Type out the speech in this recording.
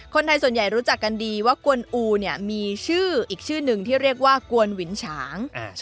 คนไทยส่วนใหญ่รู้จักกันดีว่ากวนอูเนี่ยมีชื่ออีกชื่อหนึ่งที่เรียกว่ากวนหวินฉาง